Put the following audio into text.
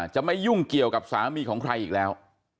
จะไม่ยุ่งเกี่ยวกับสามีของใครอีกแล้ว